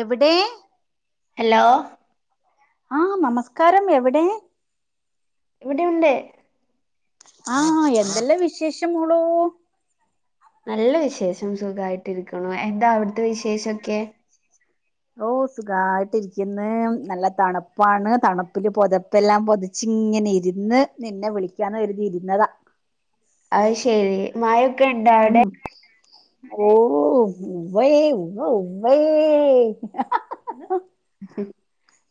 എവിടെ. അലോ. ആഹ് നമസ്കാരം എവിടെ. ഇവിടെയുണ്ട്. ആഹ് എന്തെല്ലാം വിശേഷം മോളൂ? നല്ല വിശേഷം സുഖായിട്ടിരിക്ക്ണു. എന്താ അവ്ടുത്തെ വിശേഷൊക്കെ. ഓഹ് സുഖായിട്ട് ഇരിക്ക്ന്ന്. നല്ല തണ്പ്പാണ്. തണുപ്പില് പൊതപ്പെല്ലാം പൊതച്ചി ങ്ങനെ ഇരുന്ന് നിന്നെ വിളിക്കാന്ന് കരുതിയിര്ന്നതാ. അയ് ശെരി മയൊക്കെ ഇണ്ടാ അവ്ടെ? ഓഹ് ഉവ്വേ ഉവ് ഉവ്വേ ‌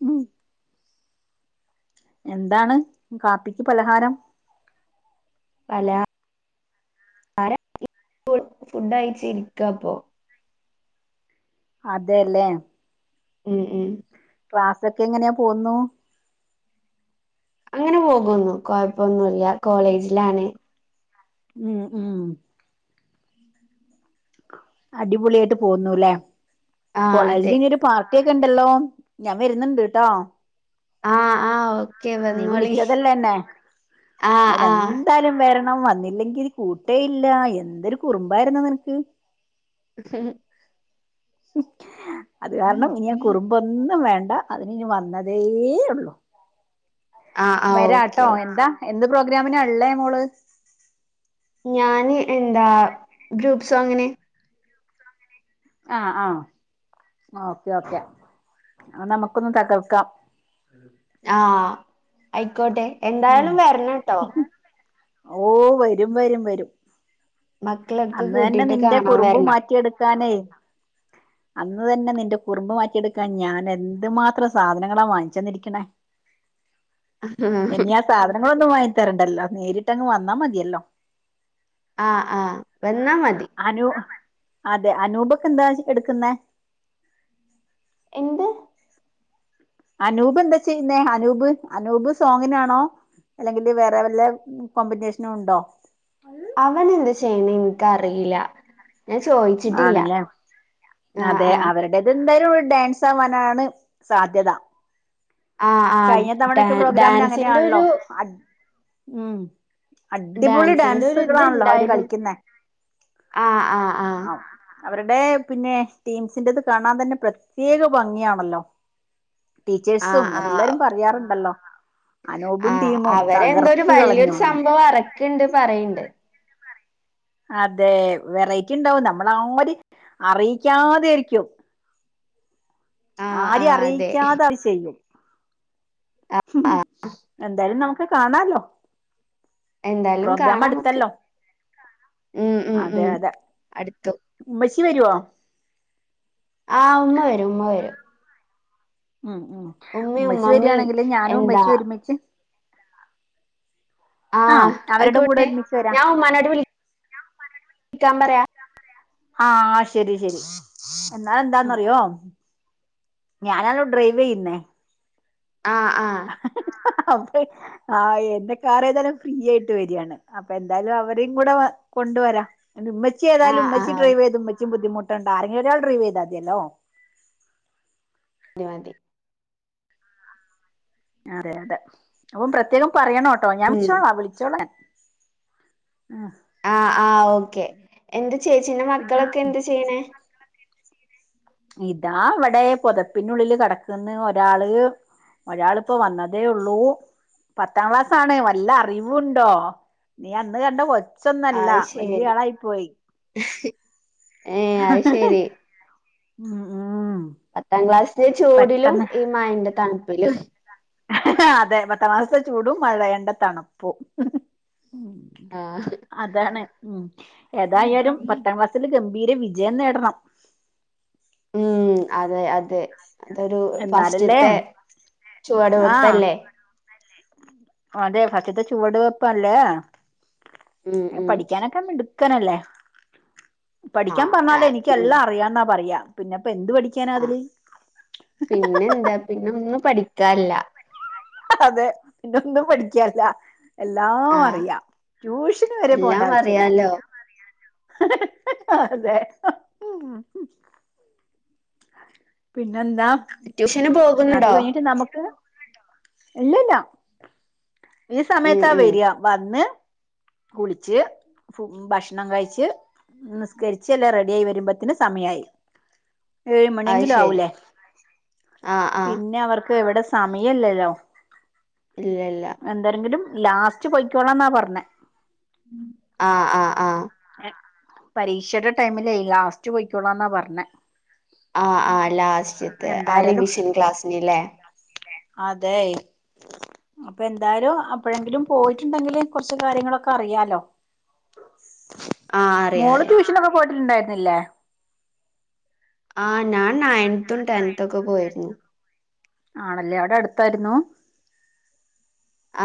ഉം. എന്താണ് കാപ്പിക്ക് പലഹാരം? പല ആരം ഇപ്പോ ഫുഡയിച്ച് ഇരിക്കപ്പൊ അതെല്ലേ ഉം ഉം. ക്ലാസൊക്കെ എങ്ങനെ പോവുന്നു? അങ്ങനെ പോകുന്നു കൊഴപ്പൊന്നുല്ല കോളേജിലാണ്. ഉം ഉം. അടിപൊളിയായിട്ട് പോവുന്നുല്ലേ ആഹ് കോളേജിൽ അതെ ഇനിയൊരു പാർ കുട്ട്യോക്കെണ്ടല്ലോ ഞാൻ വര്ന്ന്ണ്ട് ട്ടോ. ആഹ് ആഹ് ഓക് നീ വിളിച്ചതല്ലേന്നെ ആഹ് ആഹ് ഞാന്നെന്തായാലും വെര ണം വന്നില്ലെങ്കി കൂട്ടേയില്ല എന്തൊരു കുറുമ്പായിരുന്നു നിനക്ക്. [inaudible] അത് കാരണം ഇനിയ കുറുമ്പൊന്നും വേ. ണ്ട അതിനിനി വന്നതേ ഉള്ളു. ആഹ് ഓക്കെ വരാട്ടോ ഓക്കെ എന്താ എന്ത് പ്രോഗ്രാമിനാ ഉള്ളേ മോള്. ഞാന് എന്താ ഗ്രൂപ്സോങ്ങിന്. ആഹ് ആഹ്. ആഹ് ഓക്കെ ഓക്കെ ആ നമുക്കൊന്ന് തകർക്കാം. ആഹ് അയിക്കോട്ടെ എന്തായാലും വരണ് ട്ടോ. ഓഹ് വരും വരും വരും. മക്കളൊക്കെ അന്ന് തന്നെ കൂട്ടിട്ട് നിന്റെ കാണാൻ കുറുമ്പ് വരണം മാറ്റിയെട്ക്കാനേ. അന്ന് തന്നെ നിന്റെ കുറുമ്പ് മാറ്റിയെടുക്കാൻ ഞാൻ എന്തുമാത്രം സാധനങ്ങളാ വാങ്ങിച്ചന്നിരിക്കണേ. ആഹ് ഇനിയ സാധനം. ങ്ങളൊന്ന് വാങ്ങിത്തരണ്ടല്ലോ നേരിട്ടങ്ങ് വന്നാ മതിയല്ലോ. ആഹ് ആഹ് വന്നാ മതി. അനു അതെ അനൂപൊക്കെ എന്താ എടുക്കുന്നെ. എന്ത്. അനൂപ് എന്താ ചെയ്യുന്നേ അനൂപ് അനൂപ് സോങ്ങിനാണോ. അല്ലെങ്കില് വേറെ വല്ല കോമ്പിറ്റെഷനും ഒണ്ടോ? അവനെന്ത് ചെയ്യേന്ന് എനക്കിറിയില്ല. ആണ് ആഹ് ല്ലെ ആഹ് എല്ലരും ഡാൻസ് ആവാനാണ് സാധ്യത ആഹ് ആഹ് കഴിഞ്ഞ തവണ ഡാ ഒക്കെ പ്രോഗ്രാമിന് ഡാൻസിന്റെ അങ്ങനെയാണല്ലൊ ഒരു ഉം ഡാൻസിന്റെ ഒരു ഇത്ണ്ടായിരുന്നു ആഹ് ആഹ് ആഹ് അവരുടെ പിന്നെ ടീംസിൻ്റെത് കാണാൻ തന്നെ പ്ര ടീച്ചേഴ്സും ആഹ് ആഹ് എല്ലാരും പറയാറുണ്ടല്ലോ അനൂപും ആഹ് ടീമും അവരെന്തോരു തകർത്ത് വലിയരു കളഞ്ഞൂന്ന് സംഭവം അറക്ക്ണ്ട് പറയിണ്ട് അതേ വെറൈറ്റി ഉണ്ടാവും നമ്മളെ ആര് അറിയിക്കാതെരിക്കും ആഹ് ആഹ് അതെ ആരിഅറിയിക്കാതെ അത് ചെയ്യും ഉം എന്തായാലും നമുക്ക് കാണാലോ എന്തായാലും പ്രോഗ്രാം കാണാം നമുക്ക് അടുത്തല്ലോ ഉം ഉം അതെ ഉം അതെ അടുത്തു ഉമ്മച്ചി വരുവോ ആഹ് ഉമ്മ വരും ഉമ്മ വരും ഉം ഉം ഉമ്മയും ഉമ്മച്ചി ഉമ്മമ്മയും വരിയാണെങ്കിൽ ഞാനും എന്താ ഉമ്മച്ചിം ഒരുമിച്ച് ആഹ് അവരുടെ കൂടെ ആയിക്കൂട്ടെ ഒരുമിച്ച് വരാം ഞാൻ ഉമ്മാനോട് വിളിക്കാൻ പറയാ ആഹ് ശരി ശരി എന്നാൽ എന്താന്നറിയോ ഞാനല്ലോ ഡ്രൈവ് ചെയ്യുന്നേ ആഹ് ആഹ് അപ്പ ആ എന്റെ കാർ ഏതായാലും ഫ്രീ ആയിട്ട് വരിയാണ് അപ്പ എന്തായാലും അവരും കൂടെ കൊ കൊണ്ട് വരാ ആൻ്റെ ഉമ്മച്ചി ആഹ് ഏതായാലും ആഹ് ഡ്രൈവ് ഓക്കെ ചെയ്ത് ഉമ്മച്ചി ബുദ്ധിമുട്ട് ആരെങ്കിലും ഒരാൾ ഡ്രൈവ് ചെയ്താൽമതിയല്ലോ മതിമതി ഞാറിയാതെ അപ്പം പ്രത്യേകം പറയണോട്ടോ ഞാൻ ഉം വിളിച്ചോളാം വിളിച്ചോളാം ഉം. ആഹ് ആഹ് ഓക്കെ എന്ത് ചേച്ചിന്റെ മക്കളൊക്കെ എന്ത് ചെയ്യണേ ഇതാ അവിടെ പൊതപ്പിനുള്ളില് കടക്കന്ന് ഒരാള് ഒരാളിപ്പോ വന്നതേ ഉള്ളൂ പത്താം ക്ലാസ് ആണ് വല്ല അറിവുണ്ടോ നീ അന്ന് കൊ ച്ചൊന്നല്ല അത് ശരി വല്യ ആളായി പോയി ഏഹ് അത് ശരി ആഹ് പത്താം ക്ലാസ്സിലെ ചൂടിലും ഈ മഴൻ്റെ തണുപ്പിലും അതെ പത്താം ക്ലാസ്സിലെ ചൂടും മഴയേണ്ട തണുപ്പും ഉം ആഹ് അതാണ് ഉം ഏതായാലും പത്താം ക്ലാസ്സിൽഉം [unintelligible] വിജയം നേടണം ഉം അതെ അതെ അതൊരു എന്നാലല്ലേ ഫസ്റ്റത്തെ ആഹ് ചുവടുവെപ്പല്ലേ അതെ ഫസ്റ്റേത്തെ ചുവടു വെപ്പല്ലേ ഉം ഉം പഠിക്കാനൊക്കെ മിടുക്കനല്ലേ പഠിക്കാൻ ആഹ് പറഞ്ഞാല് ആഹ് എനിക്ക് പി എല്ലാം അറിയാന്നാ പറയാ പിന്നെ അപ്പൊ എന്ത് പഠിക്കാനാ ആഹ് അതില് പഠികാനില്ല അതെ പിനെ ഒന്നും പഠികനില്ല എല്ലാം ആഹ് അറിയാം ട്യൂഷന് വരെ പോകണ്ട എല്ലാം ആവശ്യല്ല അറിയാലോ [unintelligible] അതെ പിന്നെന്താ ട്യൂഷന് അത് പോകുന്നുണ്ടോ കഴിഞ്ഞിട്ട് നമുക്ക് ഇല്ലല്ല ഈ ഉം സമയത്താ ഉം വരിക വന്ന് കുളിച്ച് ഫു ഭക്ഷ്ണം കഴിച്ച് നിസ്കരിച്ച്ല്ലാ റെഡി ആയി വരുമ്പോത്തിന് സമയമായി ഏഴ് അത് മണിയെങ്കിലും ശരി ആവുല്ലേ ആഹ് ആഹ് പിന്നെ അവർക്ക് എവിടെ സമയില്ലല്ലോ. ഇല്ല ഇല്ല. ലാസ്റ്റ് പൊയ്ക്കോളാന്നാ പറഞ്ഞേ. ആഹ് ആഹ് ആഹ്. പരീക്ഷയുടെ ടൈമിലേ ലാസ്റ്റ് പോയ്ക്കോളാന്നാ പറഞ്ഞെ. ആഹ് ആഹ് ലാസ്റ്റത്തെ ആ എന്തായാലും റിവിഷൻ ക്ലാസ്സിന് ലെ. അതെയ്. അപ്പൊ എന്തായാലും അപ്പോഴെങ്കിലും പോയിട്ടുണ്ടെങ്കിൽ കുറച്ച് കാര്യങ്ങളൊക്കെ ഇപ്പറിയാലോ. ആഹ് അറിയാം മോള് അറിയാം ട്യൂഷനൊക്കെ പോയിട്ടുണ്ടായിരുന്നില്ലേ. ആഹ് ഞാൻ നയൻത്തും ടെൻത്തൊക്കെ പോയിരുന്നു. ആണല്ലേ. അവിടെ അടുത്തായിരുന്നോ.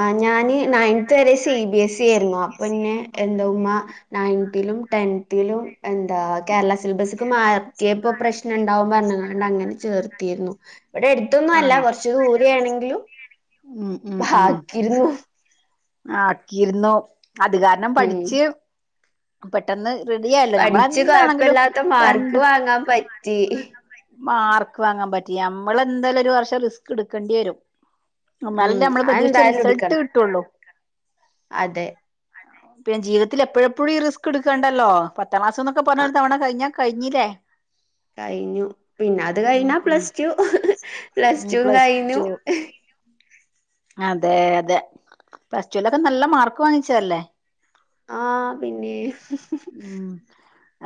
ആഹ് ഞാനീ നയൻത് വരെ സി ബി എസ് ഇ ആയിരുന്നു. അപ്പോ ന്നെ എന്റെ ഉമ്മ നയൻത് ലും ടെൻതിലും, എന്താ കേരള സിലബസിക്ക് മാറ്റിയപ്പോ പ്രശ്നണ്ടാവും പറഞ്ഞ്കൊണ്ട് അ ങ്ങനെ ചേർത്തിരുന്നു. ഇവിടെ അടുത്തൊന്നും അല്ല ആണോ കൊറച്ച് ദൂരെയാണെങ്കിലും, ഉം. ഉം ഉം ആക്കിയിരുന്നു. ആക്കിയിരുന്നു. അത് കാരണം ഉം പഠിച്ച് പെട്ടെന്ന് റെഡിയായല്ലോ. പഠിച്ച് നമ്മളെന്താണെങ്കിലും കൊഴപ്പല്ലാത്ത മാർക്ക് രണ്ട് വാങ്ങാൻ [unintelligible] പറ്റി മാർക്ക് വാങ്ങാൻ പറ്റി. നമ്മളെന്തായാലും ഒരു വർഷം റിസ്കെടുക്കേണ്ടി വരും. ഉം എന്നാലല്ലേ നമ്മള് പ്രതീക്ഷിച്ച അതെന്തായാലും റിസൾട്ട് എടുക്കണം കിട്ടൂള്ളൂ. അതെ. പിന്നെ ജീവിതത്തിലെപ്പോഴുമെപ്പോഴും ഈ റിസ്ക് എടുക്കേണ്ടല്ലോ. പത്താം ക്ലാസ് എന്നൊക്കെ ആ പറഞ്ഞാ ഒരു തവണ കഴിഞ്ഞ കഴിഞ്ഞില്ലേ. കഴിഞ്ഞു. പിന്നത് കഴിഞ്ഞാ ഉം പ്ലസ്ടു. പ്ലസ്ടും പ്ലസ് കഴിഞ്ഞു. ടു അതെ അതെ. പ്ലസ് ടുലൊക്കെ നല്ല മാർക്ക് വാങ്ങിച്ചതല്ലേ. ആഹ് പിന്നെ. ഉം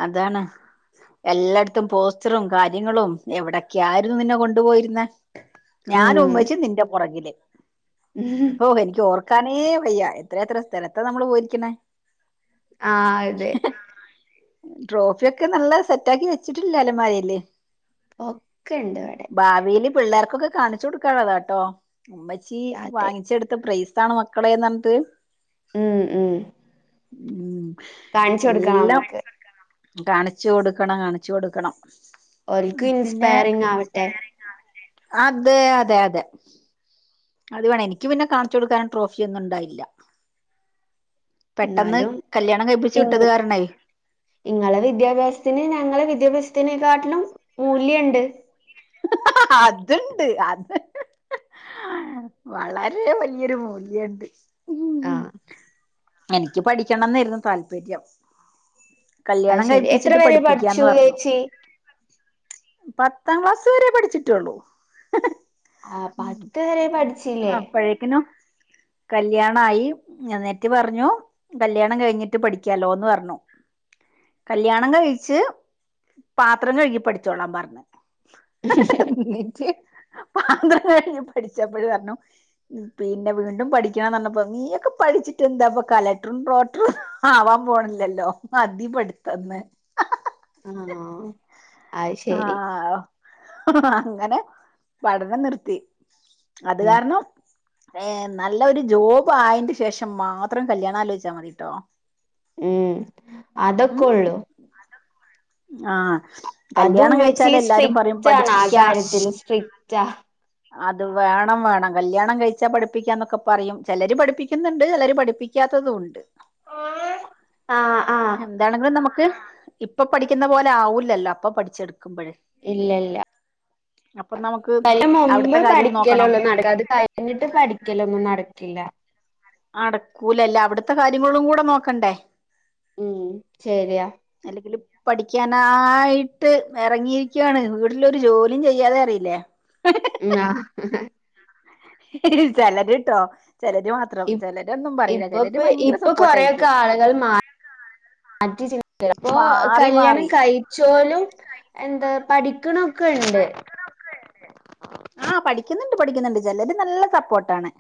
അതാണ്. എല്ലായിടത്തും പോസ്റ്ററും കാര്യങ്ങളും. എവിടൊക്കെയായിരുന്നു നിന്നെ കൊണ്ടു പോയിരുന്നേ. ഞാനും ഉം ഉമ്മച്ചിയും നിന്റെ പുറകില്. ഹൊ എനിക്കോർക്കാനേ വയ്യ. എത്രയെത്ര സ്ഥലത്താ നമ്മള് പോയിരിക്കണേ. ആഹ് അതെ. ട്രോഫിയൊക്കെ നല്ല സെറ്റാക്കി വെച്ചിട്ടില്ലെ അലമാരേല്. ഒക്കെ ഇണ്ടിവിടെ. പിള്ളേർക്കൊക്കെ കാണിച്ചു കൊടുക്കാനുള്ളതാട്ടോ. ഉമ്മച്ചി അതെ വാങ്ങിച്ചെടുത്ത പ്രൈസ് സാണ് മക്കളേന്ന് പറഞ്ഞിട്ട്. ഉം ഉം. ഉം. കാണിച്ചു കൊടുക്കാം. അതെല്ലാം നമ്മക്ക് കാണിച്ചു കൊടുക്കണം. കാണിച്ചു കൊടുക്കണം. ഓൽക്കും പിന്നെ ഇൻസ്പയറിങ് ആവട്ടെ. അതെ അതെയതെ. അത് വേണം. എനിക്ക് പിന്നെ കാണിച്ചു കൊടുക്കാൻ ട്രോഫിയൊന്നുണ്ടായില്ല. പെട്ടെന്ന് എന്നാലും കല്യാണം കഴിപ്പിച്ചു ഇങ് വിട്ടത് കാരണേയ്. ഇങ്ങളെ വിദ്യാഭ്യാസത്തിന് ഞങ്ങളെ വിദ്യാഭ്യാസത്തിനേക്കാട്ടിലും, മൂല്യണ്ട്. ഹ ഹ അതുണ്ട് അത്. വളരെ വലിയൊരു മൂല്യണ്ട്. ഉം ആഹ്. എനിക്ക് പഠിക്കണം എന്നായിരുന്നു താല്പര്യം. അത് കല്യാണം ശരി എത്ര കഴിപ്പിച്ചിട്ട് വരെ പഠിച്ചു പഠിപ്പിക്കാന്ന് പറഞ്ഞു. ചേച്ചി പത്താം ക്ലാസ്സ് വരെ പഠിച്ചിട്ടുള്ളൂ. ആഹ് [unintelligible] പത്ത് വരെ പഠിച്ചില്ലേ അപ്പോഴേക്കിനോ കല്യാണയി എന്നിട്ട് പറഞ്ഞു കല്യാണം കഴിഞ്ഞിട്ട് പഠിക്കാലോന്ന് പറഞ്ഞു കല്യാണം കഴിച്ച് പാത്രം കഴുകി പഠിച്ചോളാം പറഞ്ഞു നിച്ചയ [inaudible] [inaudible] പഠിച്ചപ്പോഴപറഞ്ഞു പിന്നെ വീണ്ടും പഠിക്കണം പറഞ്ഞപ്പോ നീയൊക്കെ പഠിച്ചിട്ട് എന്താപ്പൊ കലക്ടറും ടോട്ടറും ആവാൻ പോണില്ലല്ലോ മതി പടുത്തന്ന് [inaudible] ആഹ ആഹ അങ്ങനെ പഠനം നിർത്തി അത് ഉം കാരണം പിന്നെ നല്ല ഒരു ജോബ് ആയതിന് ശേഷം മാത്രം കല്യാണം ആാലോചിച്ചാൽ മതിട്ടോ ഉം അതൊക്കെ ഉള്ളു ആഹ അത് കല്യാണം ഉമ്മച്ചി കഴിച്ചാല് എല്ലാരും പറയും [inaudible] സ്ട്രിക്റ്റ് ആണ് ആ പഠിപ്പിക്കാം കാര്യത്തില് സ്ട്രിക്റ്റാ അത് വേണം വേണം കല്യാണം കഴിച്ചാ പഠിപ്പിക്കാ എന്നൊക്കെ പറയും ചിലര് പഠിപ്പിക്കുന്നുണ്ട് ചിലര് പഠിപ്പിക്കാ ആഹ് ആഹ് [unintelligible] എന്തങ്കിലും നമുക്ക് [inaudible] ഇപ്പൊ പഠിക്കുന്ന പോലെ ആവില്ലല്ലോ അപ്പൊ പഠിച്ചെടുക്കുമ്പോഴ്‌ ഇല്ല ഇല്ല [inaudible] അല്ല മുമ്പ് അവിടുത്തെ [inaudible] കാര്യം നോക്കണം പഠിക്കലള്ളോ നടക്ക അത് കഴിഞ്ഞിട്ട് പഠിക്കലൊന്നും നടക്കില്ല അടക്കൂലല്ല അവിടുത്തെ കാര്യങ്ങളും കൂടെ നോക്കണ്ടേ ഉം ശരിയാ അല്ലെങ്കിൽ പഠിക്കാനായിട്ട് ഇറങ്ങിയിരിക്കയാണ് വീട്ടിലൊരു ജോലിയും ചെയ്യാതെ അറിയില്ലേ ആഹ് ഹാ [unintelligible] കേട്ടോ ചിലര് മാത്രം ചിലരൊന്നും പറയില ഇപ്പൊ ചിലര് ഭയങ്കര ഇപ്പൊ കൊറെയൊക്കെ സപ്പോർട്ടായിരിക്കും ആളുകൾ മാറ്റി ചിന്തി അപ്പൊ മാറി കല്യാണം മാറി കഴിച്ചോലും എന്താ പഠിക്കണൊക്കെ ഉണ്ട് ആഹ പഠിക്കുന്നുണ്ട് പഠിക്കുന്നുണ്ട് ചിലര് നല്ല സപ്പോർട്ട ആണ്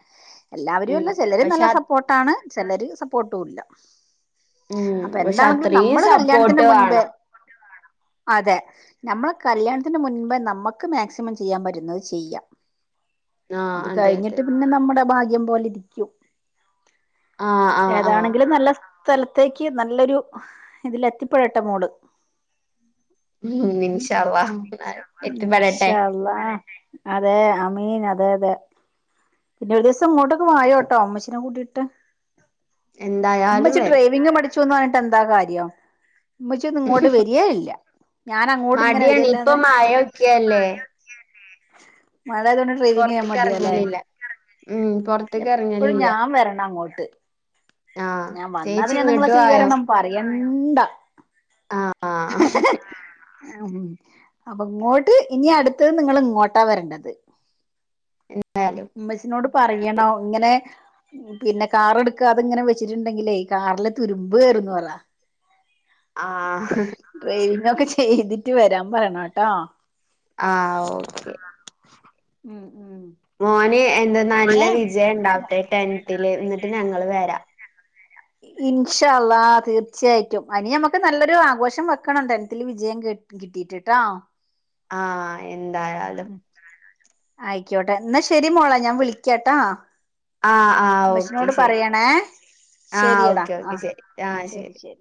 എല്ലാവരും ഉം അല്ല ചിലരും പക്ഷെ നല്ല സപ്പോർട്ടാണ് ചിലര് സപ്പോർട്ടുമല്ല ഉം അപ്പൊ പക്ഷെ എന്താണെങ്കിലും അത്രയും നമ്മള് സപ്പോർട്ട് കല്യാണത്തിന്റെ മുൻപേ വേണം [unintelligible] അതെ നമ്മളെ കല്യാണത്തിന് മുൻപേ നമുക്ക് മാക്സിമം ചെയ്യാൻ പറ്റുന്നത് ചെയ്യാം ആഹ് അത് അതെ അതെ കഴിഞ്ഞിട്ട് പിന്നെ നമ്മുടെ [unintelligible] പോലെ ഇരിക്കും ആഹ് ആഹ് ആഹ് ഏതാണെങ്കിലും നല്ല സ്ഥലത്തേക്ക് നല്ലൊരു ഇതില എത്തിപ്പെടട്ടെ മോള് ഉം ഇൻഷ അള്ളാ എത്തിപ്പെടട്ടെ ഇഷാ അള്ള അതെ അമീൻ അതെ അതെ പിന്നെ ഒരു ദിവസം ഇങ്ങോട്ടൊക്കെ വായോട്ടോ അമ്മച്ചീനെ കൂട്ടീയിട്ട് എന്തായാലും ഉമ്മച്ചി വരും ഡ്രൈവിങ് പടി ച്ചുന്ന് പറഞ്ഞിട്ട് എന്താ കാര്യം ഉമ്മച്ചി ഒന്ന്ഇങ്ങോട്ട് വരിയേ ഇല്ല ഞാാന അങ്ങോട്ട് ഇങ്ങനെ മടിയാണ് ഇപ്പൊ വരില്ലന്ന് മഴൊക്കെയല്ലേ [inaudible] മഴഅയതൊണ്ട് ട്രെയിനിങ് [inaudible] പോകൻ പൊറത്ത്ക്ക് മടിയാല്ലേ എറങ്ങലില്ല ഉം പുൊറത്തേക്ക് എപ്പോഴും ഇറങ്ങാലില്ല ഞാൻ വരണം അങ്ങോട്ട് ഞാൻ വന്ന ചേച്ചി പിന്നെ [inaudible] നിങ്ങളെ ഇങ്ങട്ടും സ്വീകരണം പറയണ്ട ആ ആ ആഹ [unintelligible] അപ്പൊ ഇങ്ങോട്ട് ഇനി അടുത്തത് നിങ്ങൾ ഇങ്ങോട്ടാ വരേണ്ടത് എന്തായാലും ഉമ്മച്ചിനോട് പറയണോ ഇങ്ങനെ പിന്നെ കാർ എടുക്ക അതിങ്ങനെ [unintelligible] [unintelligible] ണ്ടെങ്കിലേ ഈ കാറിലെ തുരുമ്പ് കേറുന്നു പറ ആഹ ഇതൊക്കെ ചെയ്തിട്ട് വരാൻ പറയണംട്ടോ ആഹ ഓക്കെ ഉം ഉം മോന് എന്താ നല്ല പിന്നെ വിജയം ഉണ്ടാവട്ടെ ടെൻതിൽ എന്നിട്ട് ഞങ്ങള് വരാ, ഇൻഷാ അഹ തീർച്ചയായിട്ടും അനി നമ്മുക്ക് നല്ലൊരു ആഘോഷം വെക്കണം ടെനതിൽ വിജയം കേട്ട കിട്ടിട്ടട്ടാ ആഹ എന്തായാലും, ആയിക്കോട്ടെ എന്നാ ശരി മോളാ ഞാൻ വിളിക്കാട്ടാ, ആഹ് ആഹ് ഓക്കെ മ്മച്ചിനോട് ശരി പറയണേ? ആഹ് ശരിയടാ ഓക്കെ ആഹ ഓക്കെ ശരി ആഹ് ശരി ശരി